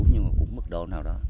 nhưng cũng mất độc